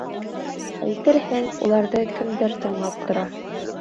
Әйтерһең, уларҙы кемдер тыңлап тора.